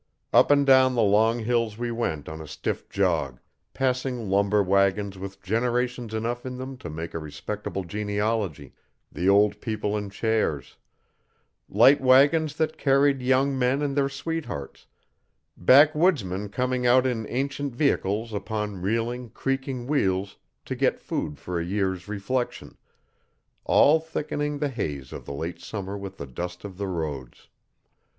Up and down the long hills we went on a stiff jog passing lumber wagons with generations enough in them to make a respectable genealogy, the old people in chairs; light wagons that carried young men and their sweethearts, backswoodsmen coming out in ancient vehicles upon reeling, creaking wheels to get food for a year's reflection all thickening the haze of the late summer with the dust of the roads.